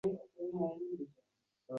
shuning uchun doim shu savol tug‘iladi